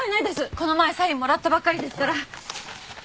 この前サインもらったばっかりですから。